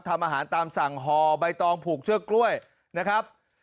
ทำอาหารตามสั่งห่อใบตองผูกเชือกกล้วยนะครับ